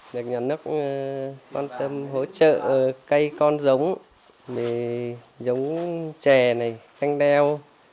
được nhận nước quan tâm hỗ trợ cây con giống giống trè này canh đeo